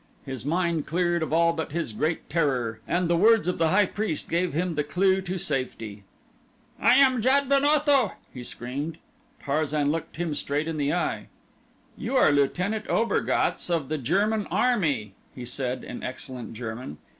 His mind cleared of all but his great terror and the words of the high priest gave him the clue to safety. "I am Jad ben Otho!" he screamed. Tarzan looked him straight in the eye. "You are Lieutenant Obergatz of the German Army," he said in excellent German.